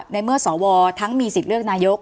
ในเมื่อสวทั้งมีสิทธิ์เลือกนายก